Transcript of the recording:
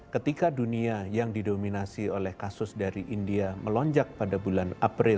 ketika dunia yang didominasi oleh kasus dari india melonjak pada bulan april dua ribu dua puluh satu